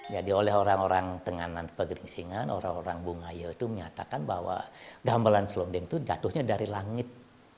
jadi oleh orang orang tenganan pegeringsingan orang orang bungayu itu menyatakan bahwa gamelan selonding itu jatuhnya dari langit